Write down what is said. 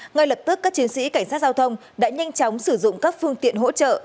ngay lập tức các chiến sĩ cảnh sát giao thông đã nhanh chóng sử dụng các phương tiện hỗ trợ